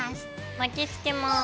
巻きつけます。